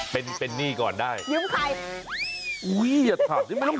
เป็นหนี้ก่อนได้ยืมใครอุ๊ยอย่าถาดยืมไม่ต้อง